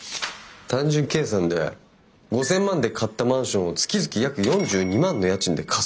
単純計算で５，０００万で買ったマンションを月々約４２万の家賃で貸すってことっすよ。